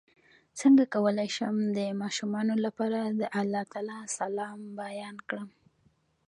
څنګه کولی شم د ماشومانو لپاره د الله تعالی سلام بیان کړم